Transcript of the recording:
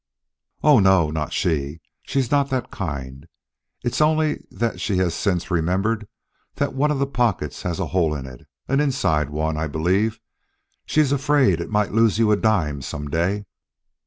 "Oh, no not she. She's not that kind. It's only that she has since remembered that one of the pockets has a hole in it an inside one, I believe. She's afraid it might lose you a dime some day.